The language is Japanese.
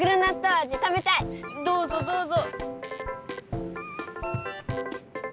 どうぞどうぞ。